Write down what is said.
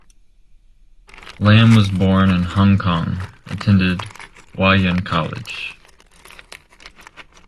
Lam was born in Hong Kong attended Wah Yan College.